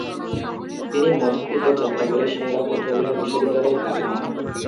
তিনি মধ্য তিব্বত যাত্রা করে সে-রা বৌদ্ধবিহার বিশ্ববিদ্যালয়ে ভর্তি হন।